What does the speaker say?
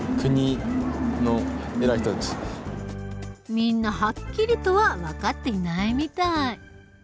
みんなはっきりとは分かっていないみたい。